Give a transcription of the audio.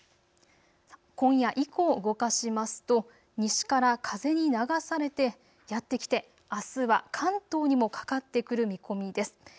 今夜以降、動かしますと西から風に流されてやって来てあすは関東にもかかってくる見込みです。